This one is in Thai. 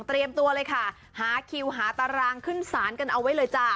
ตัวเลยค่ะหาคิวหาตารางขึ้นศาลกันเอาไว้เลยจ้า